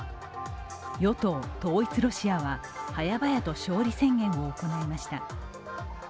与党・統一ロシアは早々と勝利宣言を行いました。